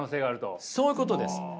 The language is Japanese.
そういうことです。